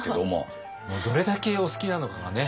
どれだけお好きなのかがね